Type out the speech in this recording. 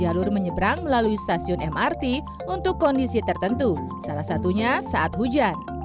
jalur menyeberang melalui stasiun mrt untuk kondisi tertentu salah satunya saat hujan